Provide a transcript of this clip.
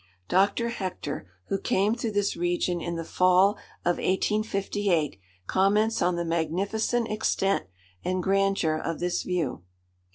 Dr. Hector, who came through this region in the fall of 1858, comments on the magnificent extent and grandeur of this view.